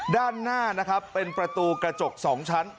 ด้านหน้านะครับเป็นประตูกระจก๒ชั้น